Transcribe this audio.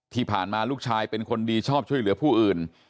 ที่ผ่านมาลูกชายเป็นคนดีชอบช่วยเหลือผู้อื่น